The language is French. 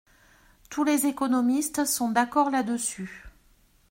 Tous les économistes sont d'accord là-dessus.